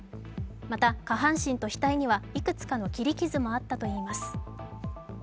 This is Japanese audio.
また下半身と額にはいくつかの切り傷もあったといいます。